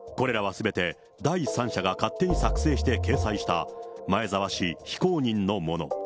これらはすべて第三者が勝手に作成して掲載した、前澤氏非公認のもの。